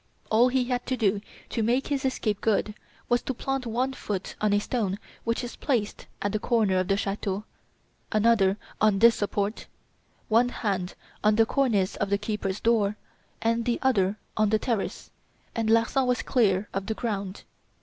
All he had to do to make his escape good was to plant one foot on a stone which is placed at the corner of the chateau, another on this support, one hand on the cornice of the keeper's door and the other on the terrace, and Larsan was clear of the ground.